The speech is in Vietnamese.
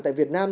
tại việt nam